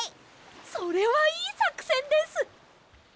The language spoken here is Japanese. それはいいさくせんです！